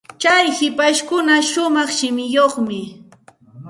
Tsay hipashpuka shumaq shimichayuqmi.